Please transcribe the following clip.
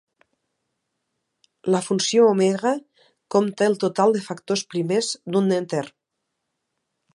La funció Omega compta el total de factors primers d'un enter.